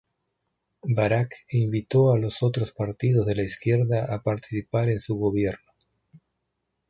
Barak invitó a los otros partidos de la izquierda a participar en su gobierno.